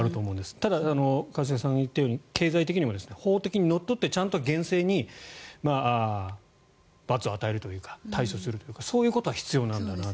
ただ、一茂さんが言ったように経済的にも、法的にのっとってちゃんと厳正に罰を与えるというか対処するというかそういうことは必要なんだなと。